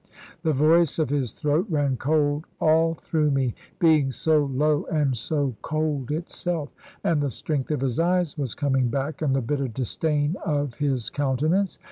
The voice of his throat ran cold all through me, being so low and so cold itself; and the strength of his eyes was coming back, and the bitter disdain of his countenance.